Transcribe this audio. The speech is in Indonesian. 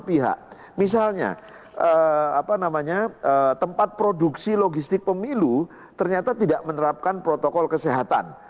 pihak misalnya tempat produksi logistik pemilu ternyata tidak menerapkan protokol kesehatan